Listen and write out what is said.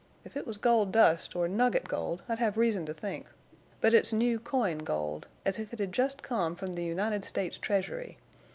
If it was gold dust or nugget gold I'd hev reason to think, but it's new coin gold, as if it had jest come from the United States treasury.